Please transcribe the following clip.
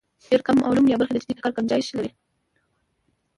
ډېر کم علوم یا برخې د جدي ټکر ګنجایش لري.